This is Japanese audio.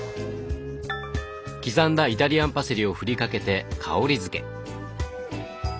刻んだイタリアンパセリを振りかけて香りづけ。